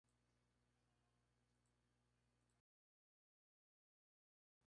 Sus dientes sugieren que eran herbívoros.